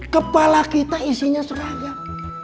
kepala kita isinya seragam